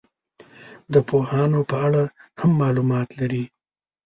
د پوهانو په اړه هم معلومات لري.